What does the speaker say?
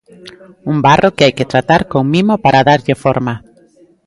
Un barro que hai que tratar con mimo para darlle forma.